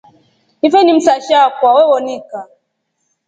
Ife ni msasha akwa wewonika.